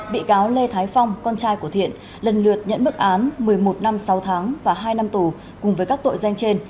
bị cáo lê thái phong con trai của thiện lần lượt nhận mức án một mươi một năm sáu tháng và hai năm tù cùng với các tội danh trên